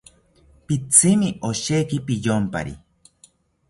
Pitzimi osheki piyompari